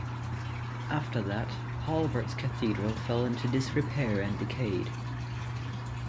After that, Hallvards Cathedral fell into disrepair and decayed.